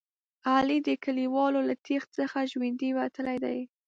علي د کلیوالو له تېغ څخه ژوندی وتلی دی.